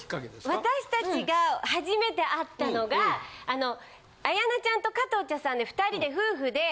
私達が初めて会ったのが綾菜ちゃんと加藤茶さんで２人で夫婦で。